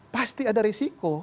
pasti ada resiko